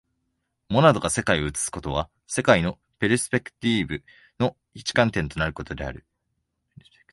モナドが世界を映すことは、世界のペルスペクティーフの一観点となることである。